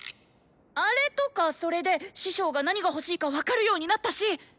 「アレ」とか「ソレ」で師匠が何が欲しいか分かるようになったし。